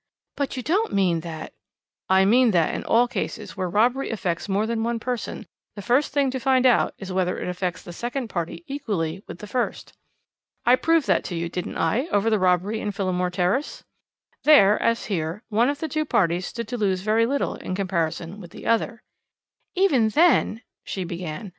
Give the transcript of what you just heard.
"But you don't mean that " "I mean that in all cases where robbery affects more than one person the first thing to find out is whether it affects the second party equally with the first. I proved that to you, didn't I, over that robbery in Phillimore Terrace? There, as here, one of the two parties stood to lose very little in comparison with the other " "Even then " she began.